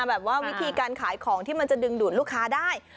วิธีการขายของที่มันจะดึงดูดลูกค้าได้